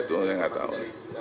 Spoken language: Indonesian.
oh itu saya gak tau